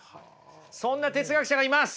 そんな哲学者がいます。